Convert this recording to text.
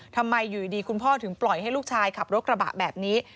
ทำไมอยู่ดีคุณพ่อถึงปล่อยให้ลูกชายขับรถกระบะแบบนี้